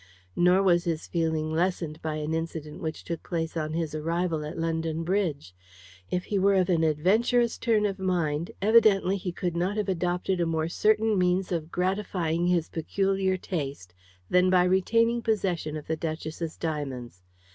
Nor was this feeling lessened by an incident which took place on his arrival at London Bridge. If he were of an adventurous turn of mind, evidently he could not have adopted a more certain means of gratifying his peculiar taste than by retaining possession of the duchess's diamonds.